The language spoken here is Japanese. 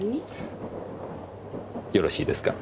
よろしいですか？